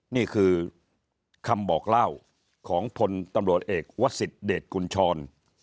นี่คือคำบอกเล่าของพลตำรวจเอกวสิทธเดชกุญชร